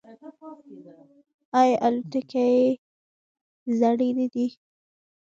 آیا الوتکې یې زړې نه دي؟